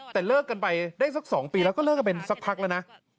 แต่เลิกกันไปได้สัก๒ปีแล้วก็เลิกกันเป็นสักพักแล้วนะ